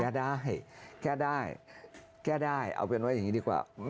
แก้ได้แก้ได้แก้ได้เอาเป็นว่าอย่างนี้ดีกว่า